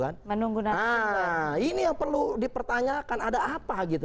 nah ini yang perlu dipertanyakan ada apa gitu